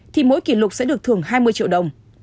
thì mỗi kỷ lục sẽ được thưởng hai mươi triệu đồng